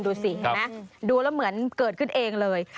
ดูสิเห็นไหมดูแล้วเหมือนเกิดขึ้นเองเลย